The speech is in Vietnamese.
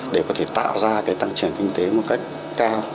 để có thể tạo ra cái tăng trưởng kinh tế một cách cao